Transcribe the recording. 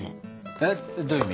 えどういう意味？